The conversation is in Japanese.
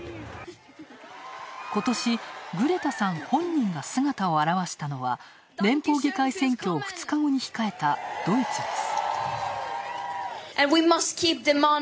ことし、グレタさん本人が姿を現したのは連邦議会選挙を２日後に控えたドイツです。